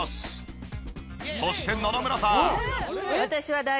そして野々村さん。